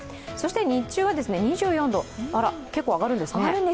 日中は２４度、あら、結構上がるんですね。